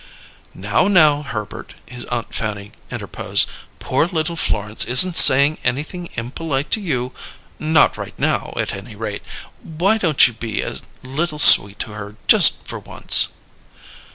"Now, now, Herbert," his Aunt Fanny interposed. "Poor little Florence isn't saying anything impolite to you not right now, at any rate. Why don't you be a little sweet to her just for once?"